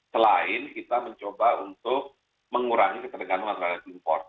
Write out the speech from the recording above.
selain kita mencoba untuk mengurangi ketergantungan terhadap impor